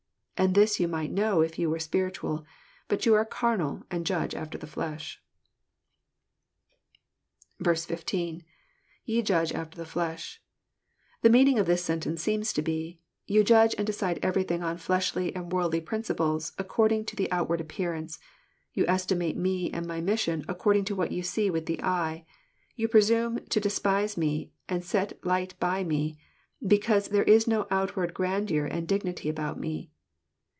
And this you might know if you were spiritual; but you are carnal, and judge after the flesh." 16. — [Fe judge after the flesh,"] The meaning of this sentence seems to be, —*• You judge and decide everything on fleshly and worldly principles, according to the outward appearance. You estimate Me and my mission according to what you see with the eye. You presume to despise Me and set light by Me, because there is no outward grandeur and dignity about Me.